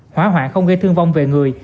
hóa hoạ không gây thương vong về người